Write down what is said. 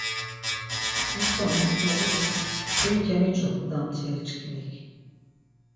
Dişka moxdapu do şuri kemiç̌opu damtire çkimik.